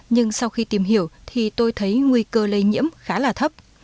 nhưng sau khi tìm hiểu thì tôi thấy nguy cơ lây nhiễm khá là thấp